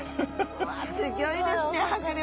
うわすギョいですね迫力。